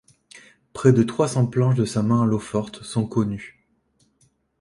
Près de trois cents planches de sa main à l’eau-forte sont connues.